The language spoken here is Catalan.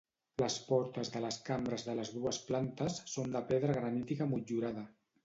Les portes de les cambres de les dues plantes són de pedra granítica motllurada.